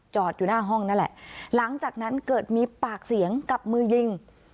อยู่หน้าห้องนั่นแหละหลังจากนั้นเกิดมีปากเสียงกับมือยิง